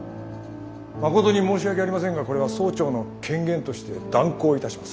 まことに申し訳ありませんがこれは総長の権限として断行いたします。